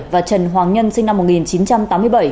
và trần hoàng nhân sinh năm một nghìn chín trăm tám mươi bảy